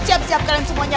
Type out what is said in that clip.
siap siap kalian semuanya